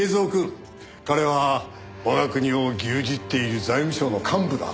彼は我が国を牛耳っている財務省の幹部だ。